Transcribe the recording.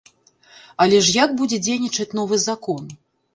Але ж як будзе дзейнічаць новы закон?